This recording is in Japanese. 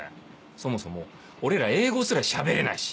そもそも俺ら英語すら喋れないし。